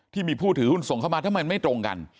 ที่มีผู้ถือหุ้นส่งเข้ามาทำไมไม่ตรงกัน